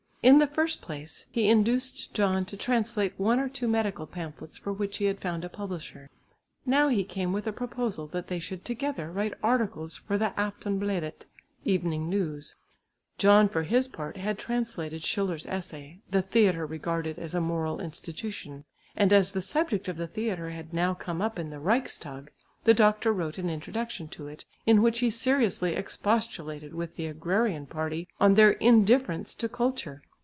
In the first place he induced John to translate one or two medical pamphlets for which he had found a publisher. Now he came with a proposal that they should together write articles for the Aftonbladet (Evening New's). John for his part had translated Schiller's essay, The Theatre Regarded as a Moral Institution, and as the subject of the theatre had now conic up in the Reichstag the doctor wrote an introduction to it in which he seriously expostulated with the Agrarian party on their indifference to culture.